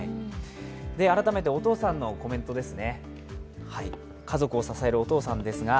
改めてお父さんのコメントです。